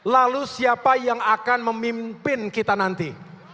lalu siapa yang akan memimpin kita nanti